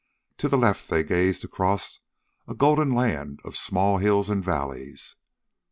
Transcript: To the left they gazed across a golden land of small hills and valleys.